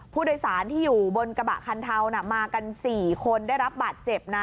ผู้โดยสารที่อยู่บนกระบะคันเทามากัน๔คนได้รับบาดเจ็บนะ